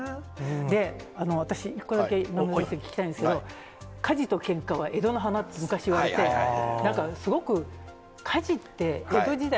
で、私、１個だけ今村さんに聞きたいんですけど、火事とけんかは江戸の華って、昔は言ってて、なんかすごく火事って、江戸時代